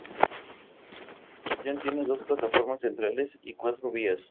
La estación tiene dos plataformas centrales y cuatro vías.